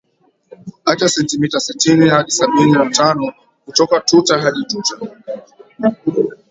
acha sentimita sitini hadi sabini na tano kutoka tuta hadi tuta